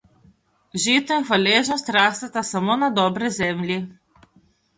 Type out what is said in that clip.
Žito in hvaležnost rasteta samo na dobri zemlji.